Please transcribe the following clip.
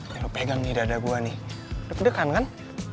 ya pegang nih dada gue nih deg degan kan